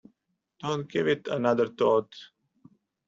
Don't give it another thought.